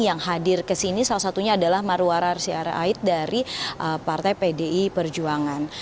yang hadir kesini salah satunya adalah marwara rasyari ait dari partai pdi perjuangan